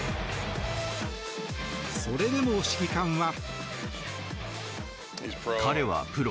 それでも指揮官は。